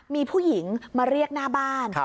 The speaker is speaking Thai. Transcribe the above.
มีผู้หญิงมาเรียกหน้าบ้าน